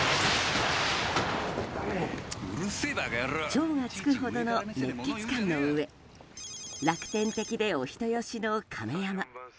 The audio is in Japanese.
超がつくほどの熱血漢のうえ楽天的でお人よしの亀山。